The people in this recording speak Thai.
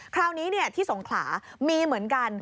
คราวนี้ที่สงขลามีเหมือนกัน